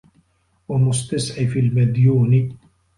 وَمُسْتَسْعِفِ الْمَدْيُونِ